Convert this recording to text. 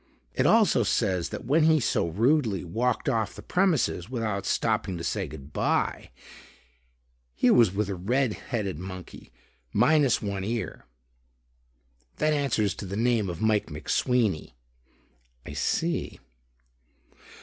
"It also says that when he so rudely walked off the premises without stopping to say goodbye, he was with a red headed monkey, minus one ear, that answers to the name of Mike McSweeney." "I see."